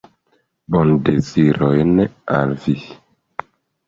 Bondezirojn al vi!